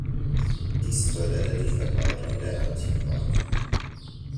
Dies förderte die Verbreitung der Antiqua.